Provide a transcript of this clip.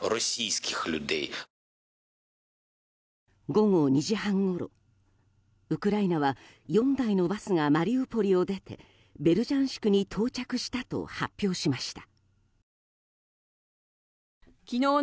午後２時半ごろ、ウクライナは４台のバスがマリウポリを出てベルジャンシクに到着したと発表しました。